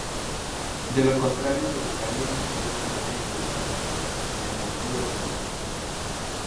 De lo contrario debutaría inmediatamente en primera división, en el Everton.